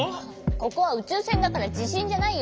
ここはうちゅうせんだからじしんじゃないよ。